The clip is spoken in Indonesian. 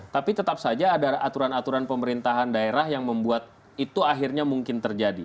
tapi tetap saja ada aturan aturan pemerintahan daerah yang membuat itu akhirnya mungkin terjadi